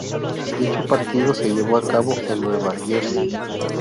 Dicho partido se llevó a cabo en Nueva Jersey.